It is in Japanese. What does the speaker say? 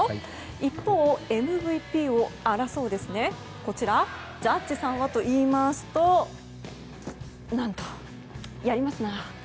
一方、ＭＶＰを争うジャッジさんはといいますと何と、やりますな。